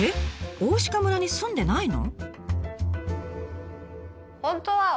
大鹿村に住んでないの？